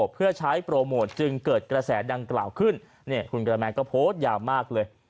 เพื่อใช้โปรโมทจึงเกิดกระแสดังกล่าวขึ้นคุณกระแมนก็โพสต์ยาวมากเลย